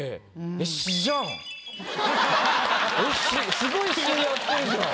えっすごい詩やってるじゃん。